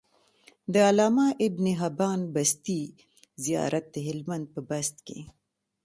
د علامه ابن حبان بستي زيارت د هلمند په بست کی